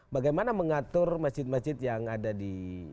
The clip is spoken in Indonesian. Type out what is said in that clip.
bagaimana mengatur masjid masjid yang ada di